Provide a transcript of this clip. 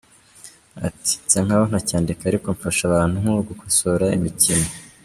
Ati “Nsa nk’aho ntacyandika ariko mfasha abantu nko gukosora imikino.